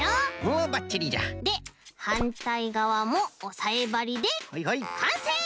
おばっちりじゃではんたいがわもおさえばりでかんせい！